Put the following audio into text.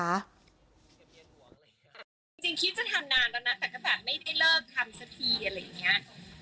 จริงคิดจะทำนานแล้วนะแต่ก็แบบไม่ได้เลิกทำสักทีอะไรอย่างเงี้ย